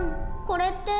これって。